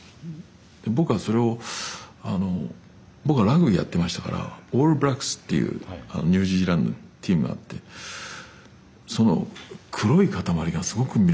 僕はそれをあの僕はラグビーやってましたからオールブラックスっていうあのニュージーランドのチームがあってその黒い塊がすごく魅力的だったんですね。